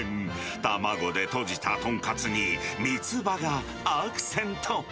卵でとじた豚カツに、三つ葉がアクセント。